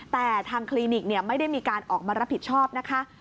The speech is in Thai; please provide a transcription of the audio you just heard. แต่ทางคลินิกไม่ได้มีการออกมารับผิดชอบนะคะ